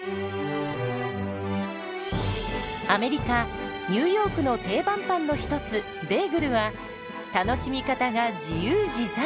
アメリカ・ニューヨークの定番パンの一つベーグルは楽しみ方が自由自在！